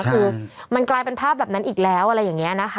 คือมันกลายเป็นภาพแบบนั้นอีกแล้วอะไรอย่างนี้นะคะ